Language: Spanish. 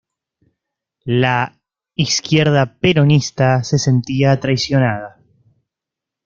La "izquierda peronista" se sentía traicionada.